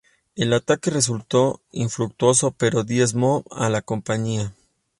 El ataque resultó infructuoso pero diezmó a la Compañía.